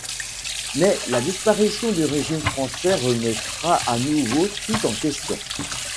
Mais la disparition du régime français remettra à nouveau tout en question.